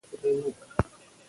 عبارت د خبرو رواني زیاتوي.